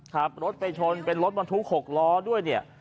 ขับรถไปชนเป็นรถบรรทุก๖ล้อด้วยเนี่ย